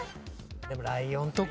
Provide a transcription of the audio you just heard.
でもライオンとか。